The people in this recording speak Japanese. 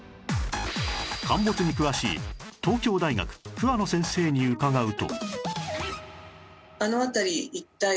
陥没に詳しい東京大学桑野先生に伺うと